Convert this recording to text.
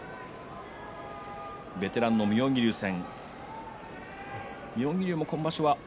ベテランの妙義龍戦。